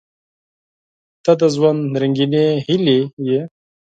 • ته د ژوند رنګینې هیلې یې.